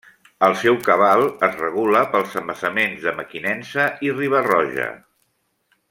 El seu cabal es regula pels embassaments de Mequinensa i Riba-roja.